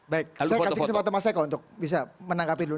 baik saya kasih kesempatan mas eko untuk bisa menangkapi dulu